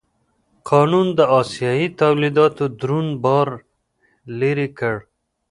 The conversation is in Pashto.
قانون د اسیايي تولیداتو دروند بار لرې کړ.